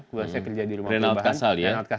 kepada saya kerja di rumah perubahan